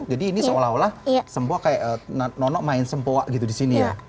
jadi ini seolah olah sempowa kayak nono main sempowa gitu di sini ya